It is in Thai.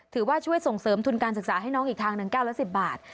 ถือว่าช่วยส่งเสริมทุนการศึกษาให้น้องอีกทางหนึ่ง๙ละ๑๐บาท